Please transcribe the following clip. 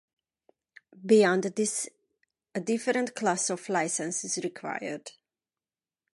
Beyond this, a different class of licence is required.